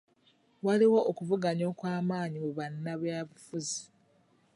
Waliwo okuvuganya okw'amanyi mu bannabyabufuzi.